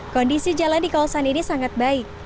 kondisi jalan di kawasan ini sangat baik